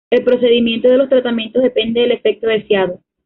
El procedimiento de los tratamientos depende del efecto deseado.